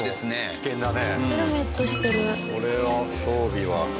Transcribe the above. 危険だね。